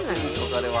あれは。